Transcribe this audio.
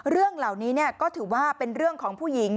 เรื่องเหล่านี้ก็ถือว่าเป็นเรื่องของผู้หญิง